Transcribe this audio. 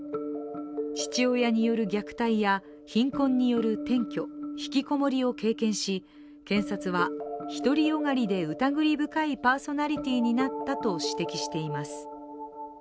父親による虐待や貧困による転居、ひきこもりを経験し検察は、独りよがりでうたぐり深いパーソナリティーになったと指摘しています。